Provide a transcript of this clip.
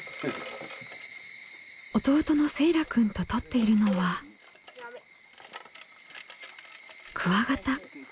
弟のせいらくんととっているのはクワガタ。